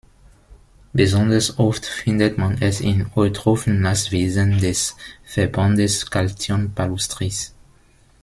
Besonders oft findet man es in eutrophen Nasswiesen des Verbandes Calthion palustris.